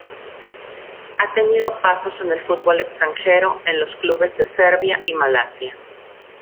Ha tenido pasos en el fútbol extranjero en clubes de Serbia y Malasia.